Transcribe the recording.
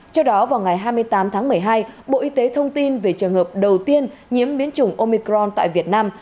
trước đó vào ngày hai mươi tám tháng một mươi hai bộ y tế thông tin về trường hợp đầu tiên nhiễm biến chủng omicron tại việt nam